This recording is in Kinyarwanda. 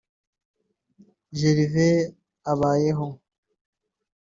Gervais Abayeho